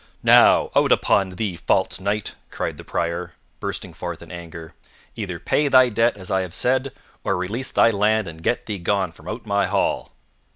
"Now, out upon thee, false knight!" cried the Prior, bursting forth in anger. "Either pay thy debt as I have said, or release thy land and get thee gone from out my hall."